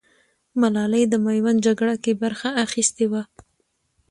ملالۍ د ميوند جگړه کې برخه اخيستې وه.